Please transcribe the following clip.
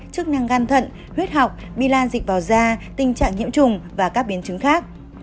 chức năng gan thận huyết học bilan dịch vào da tình trạng nhiễm trùng và các biến chứng khác